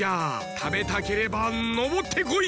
たべたければのぼってこい！